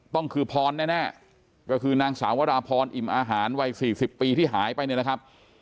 คือพรแน่ก็คือนางสาววราพรอิ่มอาหารวัย๔๐ปีที่หายไปเนี่ยนะครับ